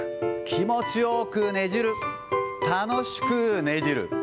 気持ちよくねじる、楽しくねじる。